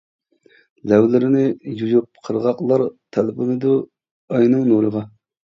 لەۋلىرىنى يۇيۇپ قىرغاقلار، تەلپۈنىدۇ ئاينىڭ نۇرىغا.